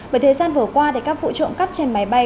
bởi thời gian vừa qua các vụ trộm cắp trên máy bay